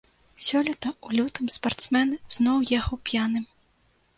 Сёлета ў лютым спартсмен зноў ехаў п'яным.